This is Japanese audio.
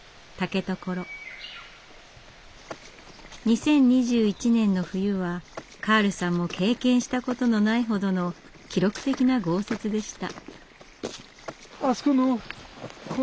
２０２１年の冬はカールさんも経験したことのないほどの記録的な豪雪でした。